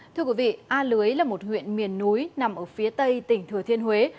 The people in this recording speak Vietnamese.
thưa quý vị a lưới là một huyện miền núi nằm ở phía tây tỉnh thừa thiên huế